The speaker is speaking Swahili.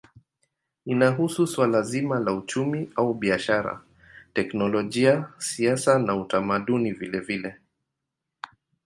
Inahusu suala zima la uchumi au biashara, teknolojia, siasa na utamaduni vilevile.